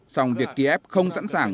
xong việc kiev không sẵn sàng